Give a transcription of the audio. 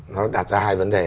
nó đặt ra hai vấn đề